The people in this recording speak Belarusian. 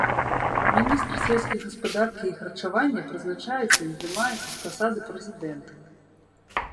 Міністр сельскай гаспадаркі і харчавання прызначаецца і здымаецца з пасады прэзідэнтам.